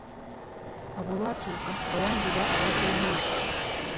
Awo olwatuuka nga Wanjuba awasa omwezi.